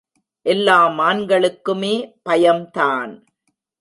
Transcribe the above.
எல்லா மான்களுக்குமே பயம்தான்.